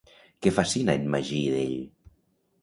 Què fascina en Magí d'ell?